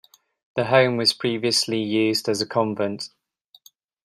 The home was previously used as a convent.